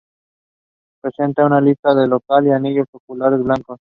Presentan una lista loral y anillos oculares blancos.